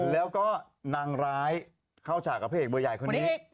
แล้วก็นางร้ายเข้าฉากกับพระเอกเบอร์ใหญ่คนนี้